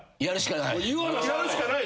やるしかない。